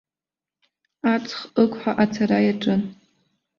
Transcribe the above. Аҵх ықәҳа ацара иаҿын.